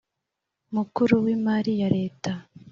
Mukuru w imari ya leta